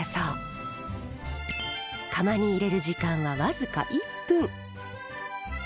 窯に入れる時間は僅か１分。